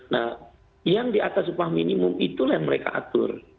nah yang di atas upah minimum itulah yang mereka atur